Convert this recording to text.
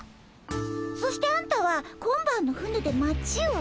そしてあんたは今晩の船で町を出る。